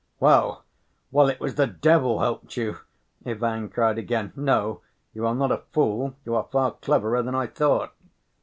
"Well ... well, it was the devil helped you!" Ivan cried again. "No, you are not a fool, you are far cleverer than I thought...."